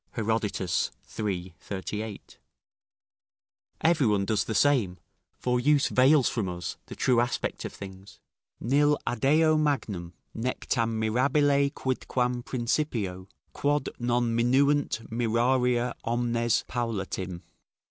[Herodotus, iii. 38.] Every one does the same, for use veils from us the true aspect of things. "Nil adeo magnum, nec tam mirabile quidquam Principio, quod non minuant mirarier omnes Paullatim."